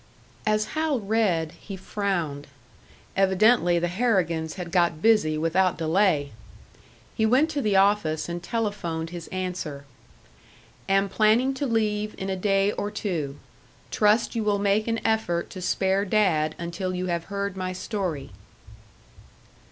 As Hal read, he frowned; evidently the Harrigans had got busy without delay! He went to the office and telephoned his answer. "Am planning to leave in a day or two. Trust you will make an effort to spare Dad until you have heard my story."